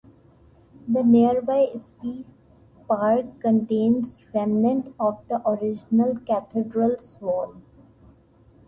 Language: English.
The nearby Peace Park contains remnants of the original cathedral's walls.